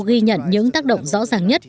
ghi nhận những tác động rõ ràng nhất